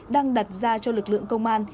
đang đặt ra cho lực lượng công an